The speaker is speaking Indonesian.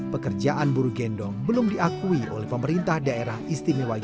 pekerjaan buru gendong belum diakui oleh pemerintah daerah istimewa yogyakarta